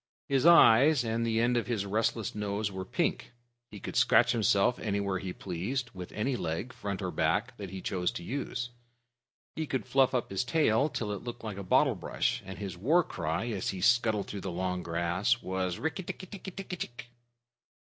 His eyes and the end of his restless nose were pink. He could scratch himself anywhere he pleased with any leg, front or back, that he chose to use. He could fluff up his tail till it looked like a bottle brush, and his war cry as he scuttled through the long grass was: "Rikk tikk tikki tikki tchk!"